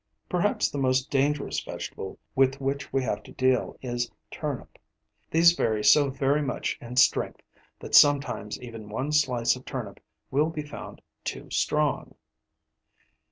Perhaps the most dangerous vegetable with which we have to deal is turnip. These vary so very much in strength that sometimes even one slice of turnip will be found too strong.